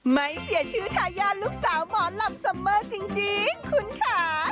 ไมสีอาชีพทายาลูกสาวหมอนหลับเสมอจริงคุณขา